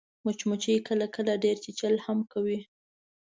مچمچۍ کله کله ډېر چیچل هم کوي